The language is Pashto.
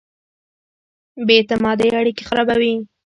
بې اعتمادۍ اړیکې خرابوي.